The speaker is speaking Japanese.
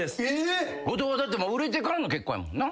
後藤はだって売れてからの結婚やもんな。